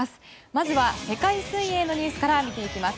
まずは世界水泳のニュースから見ていきます。